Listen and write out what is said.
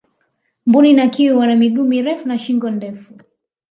mbuni na kiwi wana miguu mirefu na shingo ndefu